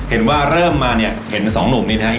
เห็นว่าเริ่มมาเนี่ยเห็นสองหนุ่มนี้นะครับ